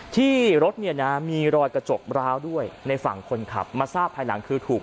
ที่รถเนี่ยนะมีรอยกระจกร้าวด้วยในฝั่งคนขับมาทราบภายหลังคือถูก